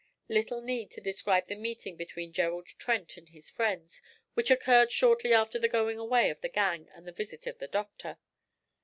Little need to describe the meeting between Gerald Trent and his friends, which occurred shortly after the going away of the 'gang' and the visit of the doctor.